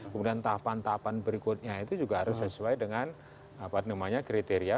kemudian tahapan tahapan berikutnya itu juga harus sesuai dengan kriteria